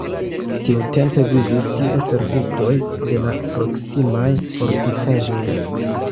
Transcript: Tiutempe vivis tie servistoj de la proksimaj fortikaĵoj.